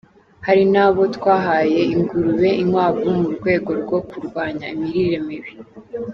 Hari n’abo twahaye ingurube, inkwavu, mu rwego rwo kurwanya imirire mibi.